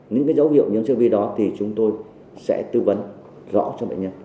những cái dấu hiệu nhiễm siêu vi đó thì chúng tôi sẽ tư vấn rõ cho bệnh nhân